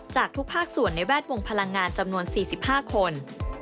จากทุกภาคส่วนในแวดวงพลังงานจำนวน๔๕คน